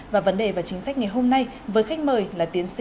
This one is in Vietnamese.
và vấn đề và chính sách ngày hôm nay với khách mời là tiến sĩ